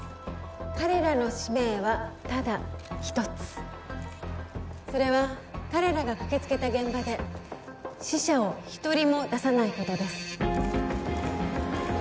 彼らの使命はただ一つそれは彼らが駆けつけた現場で死者を一人も出さないことです